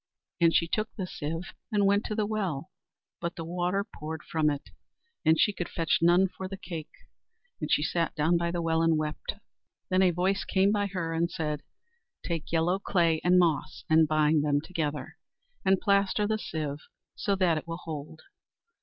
And she took the sieve and went to the well; but the water poured from it, and she could fetch none for the cake, and she sat down by the well and wept. Then a voice came by her and said, "Take yellow clay and moss, and bind them together, and plaster the sieve so that it will hold."